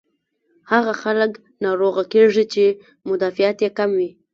هاغه خلک ناروغه کيږي چې مدافعت ئې کم وي